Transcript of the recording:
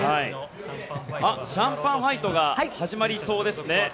シャンパンファイトが始まりそうですね。